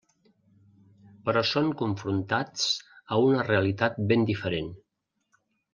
Però són confrontats a una realitat ben diferent.